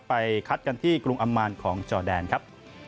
ไปคัดกันที่กรุงอำมานของจอแดนครับ